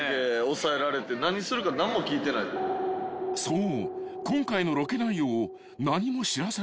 ［そう］